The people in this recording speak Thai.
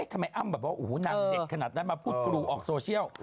ทำไมอ้ำแบบว่านางเด็ดขนาดนั้นมาพูดกรูออกโซเชียล